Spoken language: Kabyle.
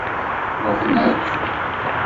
Ṛuḥen akk.